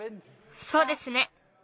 そうですね！